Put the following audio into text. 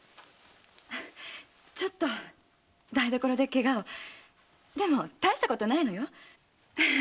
ちょっと台所でケガをでもたいしたことないのよ。